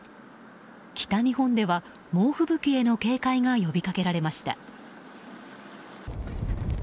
北日本では猛吹雪への警戒が呼びかけられました。